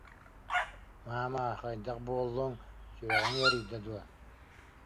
Маама, хайдах буоллуҥ, сүрэҕиҥ ыарыйда дуо